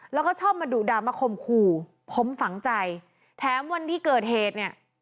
แล้วก็ชอบมาดุด่ามาข่มขู่ผมฝังใจแถมวันที่เกิดเหตุเนี่ย